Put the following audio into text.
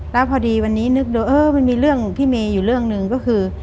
แล้วพอดีวันนี้นึกดูเออมันมีเรื่องพี่เมย์อยู่เรื่องหนึ่งก็คือ